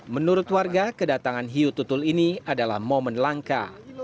menurut warga kedatangan hiu tutul ini adalah momen langka